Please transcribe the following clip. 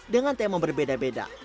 dengan tema berbeda beda